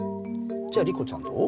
じゃあリコちゃんどう？